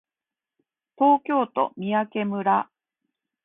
東京都三宅村